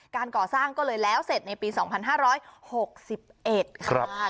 การก่อสร้างก็เลยแล้วเสร็จในปี๒๕๖๑ค่ะ